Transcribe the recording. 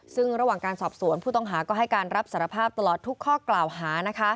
ซึ่งระหว่างการสอบสวนผู้ต้องหาก็ให้การรับสารภาพตลอดทุกข้อกล่าวหา